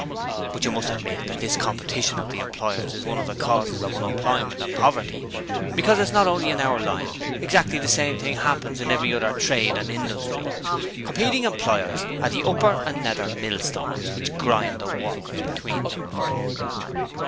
But you must admit that this competition of the employers is one of the causes of unemployment and poverty, because it's not only in our line exactly the same thing happens in every other trade and industry. Competing employers are the upper and nether millstones which grind the workers between them.'